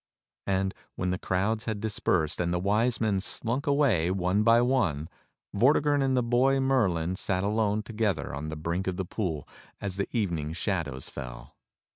And when the crowds had dispersed, and the Wise Men slunk away one by one, Vortigern and the boy Merlin sat alone together on the brink of the pool as the evening shadows fell.